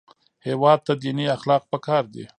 هېواد ته دیني اخلاق پکار دي